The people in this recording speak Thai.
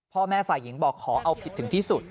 พ่อแม่ฝ่ายหญิงบอกขอเอาผิดถึงที่สุด